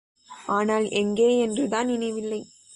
ஆனால், எங்கே என்றுதான் நினைவில்லை.